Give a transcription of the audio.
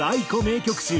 ａｉｋｏ名曲集。